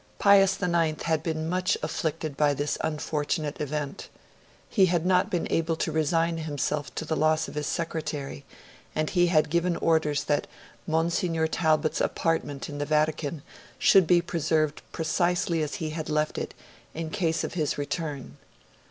Pius IX had been much afflicted by this unfortunate event; he had not been able to resign himself to the loss of his secretary, and he had given orders that Monsignor Talbot's apartment in the Vatican should be preserved precisely as he had left it, in case of his return.